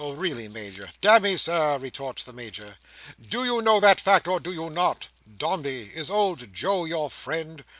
"Oh, really, Major—" "Damme, Sir," retorts the Major, "do you know that fact, or do you not? Dombey! Is old Joe your friend?